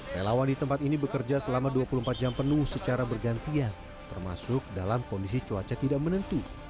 relawan di tempat ini bekerja selama dua puluh empat jam penuh secara bergantian termasuk dalam kondisi cuaca tidak menentu